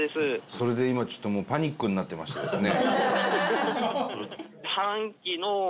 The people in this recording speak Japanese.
それで今ちょっともうパニックになってましてですね。